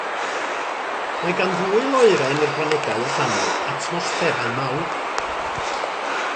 Mae gan ddwy loeren i'r planedau allanol atmosfferau mawr.